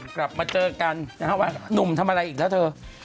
กลับมาเจอกันหนุ่มทำอะไรอีกแล้วเธอ